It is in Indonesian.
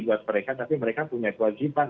buat mereka tapi mereka punya kewajiban